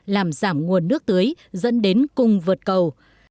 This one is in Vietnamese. làm giảm nguồn nước tưới dẫn đến cung vượt cầu